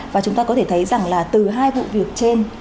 và chúng ta có thể thấy rằng là từ hai vụ việc trên